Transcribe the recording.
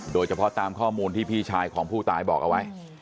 โดยเฉพาะตามข้อมูลที่พี่ชายของผู้ตายบอกเอาไว้